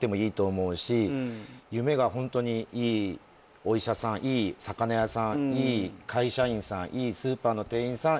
すごくその夢がホントにいいお医者さんいい魚屋さんいい会社員さんいいスーパーの店員さん